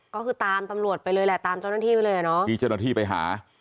ก็คือตามตำรวจไปเลยแหละตามเจ้าหน้าที่ไปเลยอ่ะเนาะที่เจ้าหน้าที่ไปหา